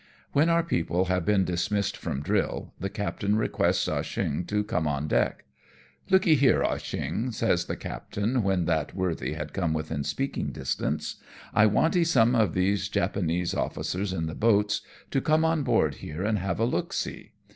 When our people have been dismissed from drill, the captain requests Ah Cheong to come on deck. " Lookee here, Ah Oheong," says the captain, when that worthy had come within speaking distance, " I 142 AMONG TYPHOONS AND PIRATE CRAFT. wantee some of these Japanese officers in the boats to come on board here and have a look^ see